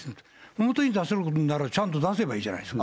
表に出せるのならちゃんと出せばいいじゃないですか。